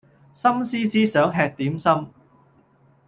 心思思想吃點心